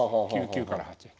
９九から８八。